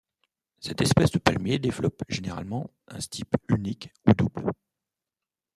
Cette espèce de palmier développe généralement un stipe unique ou double.